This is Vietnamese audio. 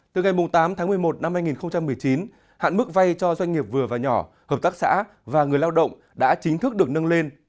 từ ngày tám tháng một mươi một năm hai nghìn một mươi chín hạn mức vay cho doanh nghiệp vừa và nhỏ hợp tác xã và người lao động đã chính thức được nâng lên